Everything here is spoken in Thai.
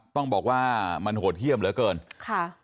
ต้องบอกว่ามันโหดเยี่ยมเหลือเกินค่ะ